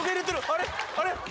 あれ？